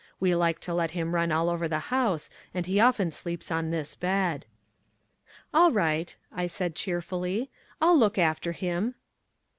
We like to let him run all over the house and he often sleeps on this bed." "All right," I said cheerfully, "I'll look after him."